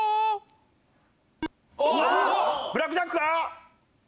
ブラックジャックか！？